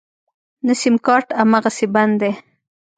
نه سيمکارټ امغسې بند دی.